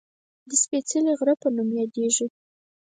د "سپېڅلي غره" په نوم یادېږي